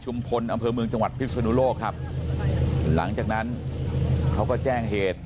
อำเภอเมืองจังหวัดพิศนุโลกครับหลังจากนั้นเขาก็แจ้งเหตุ